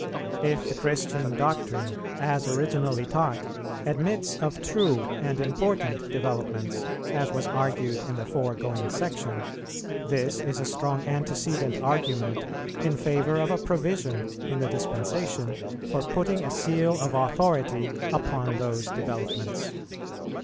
If the Christian doctrine, as originally taught, admits of true and important developments, as was argued in the foregoing Section, this is a strong antecedent argument in favour of a provision in the Dispensation for putting a seal of authority upon those developments.